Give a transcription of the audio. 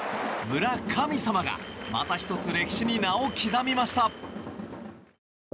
村神様がまた１つ歴史に名を刻みました。